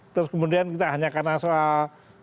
terus kemudian kita hanya karena soal